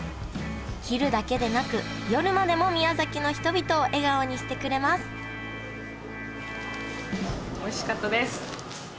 昼だけでなく夜までも宮崎の人々を笑顔にしてくれますおいしかったです。